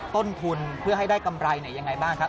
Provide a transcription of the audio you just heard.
ต้นทุนเพื่อให้ได้กำไรยังไงบ้างครับ